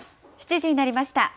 ７時になりました。